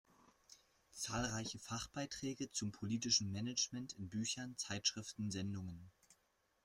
Zahlreiche Fachbeiträge zum politischen Management in Büchern, Zeitschriften, Sendungen.